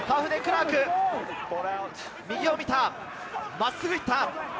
真っすぐ行った。